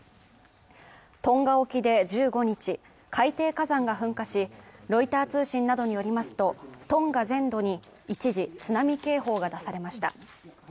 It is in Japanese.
トンガ沖で１５日、海底火山が噴火し、ロイター通信などによりますと、トンガ全土に一時津波警報が出されました。